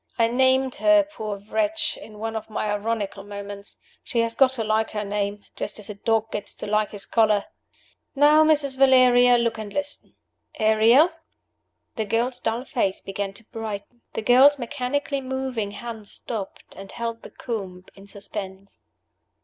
(I named her, poor wretch, in one of my ironical moments. She has got to like her name, just as a dog gets to like his collar.) Now, Mrs. Valeria, look and listen. Ariel!" The girl's dull face began to brighten. The girl's mechanically moving hand stopped, and held the comb in suspense.